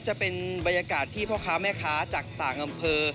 จะเป็นบรรยากาศที่พ่อค้าแม่ค้าจากต่างอำเภอ